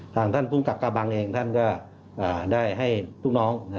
ทางท่านภูมิกับกาบังเองท่านก็ได้ให้ลูกน้อง